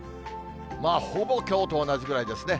ほぼきょうと同じぐらいですね。